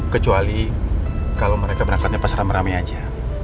kecuali kalau mereka berangkatnya pasaran meramai aja